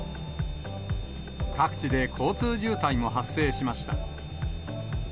各地で交通渋滞も発生しました。